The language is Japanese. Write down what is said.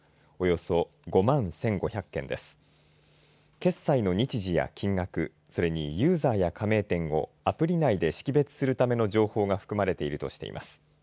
それにユーザーや加盟店をアプリ内で識別するための情報が含まれているとしています。